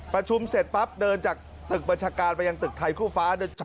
ประชุมเสร็จปั๊บเดินจากตึกบัญชาการไปยังตึกไทยคู่ฟ้า